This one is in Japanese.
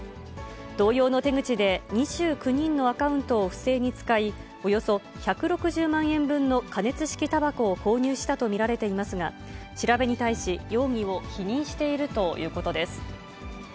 同様の手口で２９人のアカウントを不正に使い、およそ１６０万円分の加熱式たばこを購入したと見られていますが、調べに対し、容疑を否認しているということです。